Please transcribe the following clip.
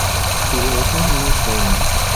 Piloton ne prenu.